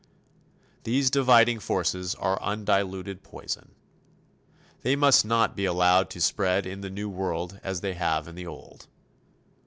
These dividing forces are undiluted poison. They must not be allowed to spread in the New World as they have in the Old.